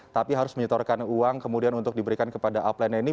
tapi harus menyertakan uang kemudian untuk diberikan kepada upline nya ini